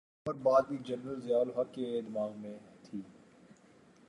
ایک اور بات بھی جنرل ضیاء الحق کے ذہن میں تھی۔